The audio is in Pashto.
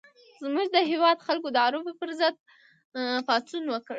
زموږ د هېواد خلکو د عربو پر ضد پاڅون وکړ.